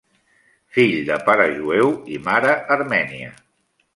Fill de pare jueu i mare armènia.